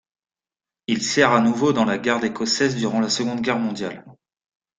Il sert à nouveau dans la garde écossaise durant la Seconde Guerre mondiale.